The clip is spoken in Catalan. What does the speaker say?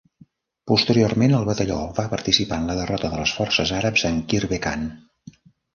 Posteriorment, el batalló va participar en la derrota de les forces àrabs en Kirbekan.